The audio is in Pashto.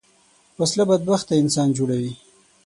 وسله بدبخته انسان جوړوي